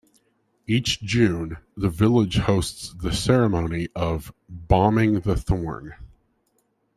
Each June, the village hosts the ceremony of "Bawming the Thorn".